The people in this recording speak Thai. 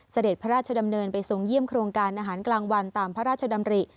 เสด็จพระราชดำเนินไปทรงเยี่ยมโครงการอาหารกลางวันตามพระราชดำริ